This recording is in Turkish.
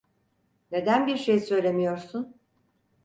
Neden bir şey söylemiyorsun?